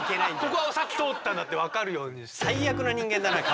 ここはさっき通ったんだって分かるようにして。